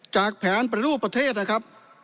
จากแผนปฏิรูปประเทศนะครับ